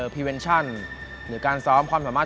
พรีเวนชั่นหรือการซ้อมความสามารถ